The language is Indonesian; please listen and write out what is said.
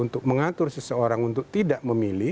untuk mengatur seseorang untuk tidak memilih